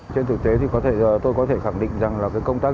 trên thực tế thì tôi có thể khẳng định rằng là cái công tác